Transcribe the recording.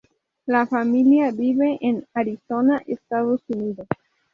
La familia vive en Arizona, Estados Unidos.